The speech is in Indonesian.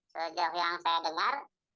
sejak yang saya dengar